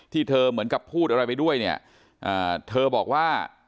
ที่เธอเหมือนกับพูดอะไรไปด้วยเนี่ยเธอบอกว่า